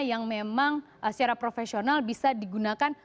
yang memang secara profesional bisa digunakan